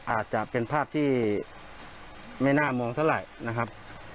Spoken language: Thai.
อาจจะเป็นภาพที่ไม่น่ามองเท่าไหร่นะครับ